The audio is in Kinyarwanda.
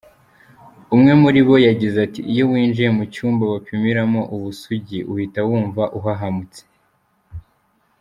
Umwe muri bo yagize ati:”Iyo winjiye mu cyumba bapimiramo ubusugi uhita wumva uhahamutse.